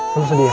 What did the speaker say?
kau sedih ya